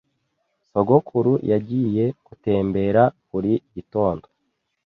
Sogokuru yagiye gutembera buri gitondo.